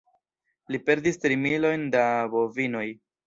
Li perdis tri milojn da bovinoj.